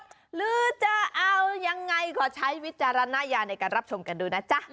หรือจะเอายังไงขอใช้วิจารณญาณในการรับชมกันดูนะจ๊ะ